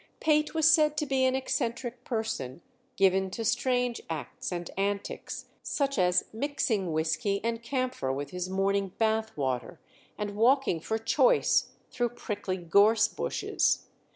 Pate was said to be an eccentric person, given to strange acts and antics, such as mixing whiskey and camphor with his morning bath water, and walking for choice through prickly gorse bushes.